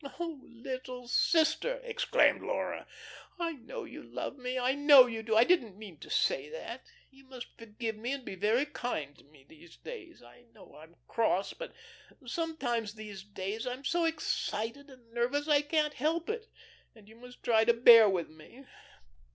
"Oh, little sister," exclaimed Laura, "I know you love me. I know you do. I didn't mean to say that. You must forgive me and be very kind to me these days. I know I'm cross, but sometimes these days I'm so excited and nervous I can't help it, and you must try to bear with me.